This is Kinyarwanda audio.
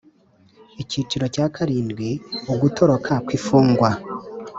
Icyiciro cya karindwi Ugutoroka kw imfungwa